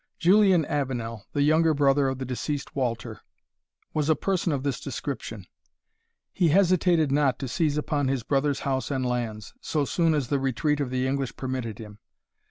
Julian Avenel, the younger brother of the deceased Walter, was a person of this description. He hesitated not to seize upon his brother's house and lands, so soon as the retreat of the English permitted him.